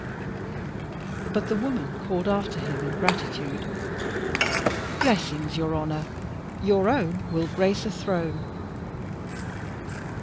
But the woman called after him in gratitude: "Blessings on your honour. Your own will grace a throne."